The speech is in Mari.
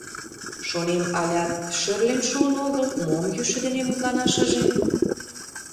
Шонем: «Алят шӧрлен шуын огыл, мом йӱшӧ дене мутланашыже?»